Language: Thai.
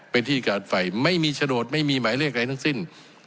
เป็นที่กาดไฟไม่มีโฉนดไม่มีหมายเลขอะไรทั้งสิ้น